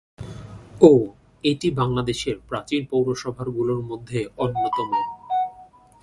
ও এটি বাংলাদেশের প্রাচীন পৌরসভার গুলোর মধ্যে অন্যতম।